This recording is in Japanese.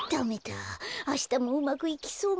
あしたもうまくいきそうもないや。